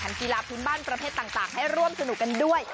กีฬาพื้นบ้านประเภทต่างให้ร่วมสนุกกันด้วย